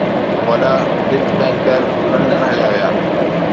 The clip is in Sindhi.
وڏا ڊچ بئنڪر لنڊن هليا ويا